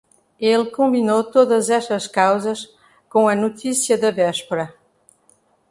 Ele combinou todas essas cousas com a notícia da véspera.